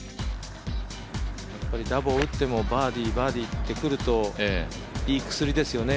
ダボを打ってもバーディー、バーディーできてもいい薬ですよね。